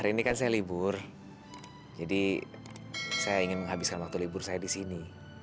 hari ini kan saya libur jadi saya ingin menghabiskan waktu libur saya di sini